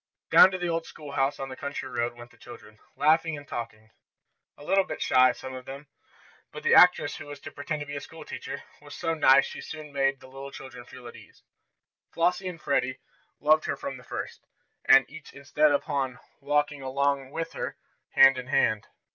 Down to the old schoolhouse, on the country road, went the children, laughing and talking, a little bit shy, some of them. But the actress who was to pretend to be a school teacher was so nice that she soon made the little children feel at ease. Flossie and Freddie loved her from the first, and each insisted upon walking along with her, hand in hand.